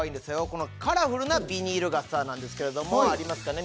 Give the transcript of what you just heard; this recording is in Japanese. このカラフルなビニール傘なんですけれどもありますかね？